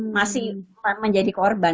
masih menjadi korban